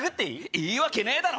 いいわけねえだろ！